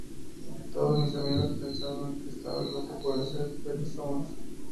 Todos mis amigos pensaban que estaba loco por hacer "Pet Sounds"".